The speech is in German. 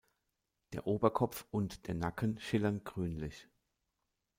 Der Oberkopf und der Nacken schillern grünlich.